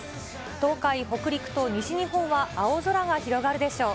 東海、北陸と西日本は青空が広がるでしょう。